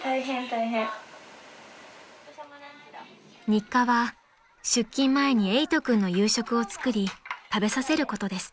［日課は出勤前にえいと君の夕食を作り食べさせることです］